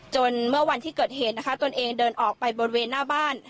เมื่อวันที่เกิดเหตุนะคะตนเองเดินออกไปบริเวณหน้าบ้าน